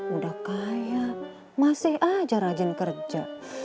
udah kaya masih aja rajin kerja